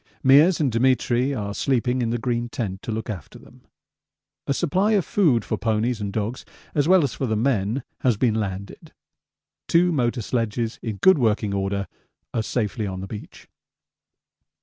Meares and Demetri are sleeping in the green tent to look after them. A supply of food for ponies and dogs as well as for the men has been landed. Two motor sledges in good working order are safely on the beach.